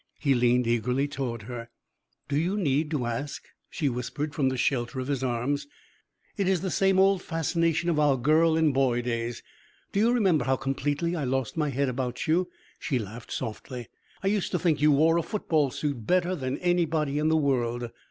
He leaned eagerly toward her. "Do you need to ask?" she whispered from the shelter of his arms. "It is the same old fascination of our girl and boy days. Do you remember how completely I lost my head about you?" She laughed softly. "I used to think you wore a football suit better than anybody in the world!